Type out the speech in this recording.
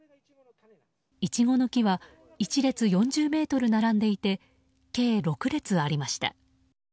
イチゴの木は１列４０ｍ並んでいて計６列ありました。